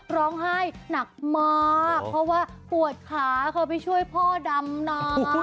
พี่ร้องไห้หนักมากเพราะว่าปวดคลาเค้าไปช่วยพ่อดำนะ